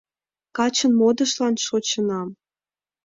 - Качын модышлан шочынам.